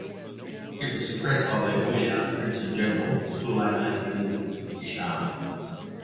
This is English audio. It was suppressed by the Umayyad prince and general Sulayman ibn Hisham.